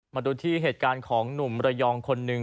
มาดูที่เหตุการณ์ของหนุ่มระยองคนหนึ่ง